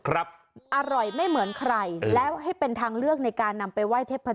อร่อยไม่เหมือนใครแล้วให้เป็นทางเลือกในการนำไปไหว้เทพ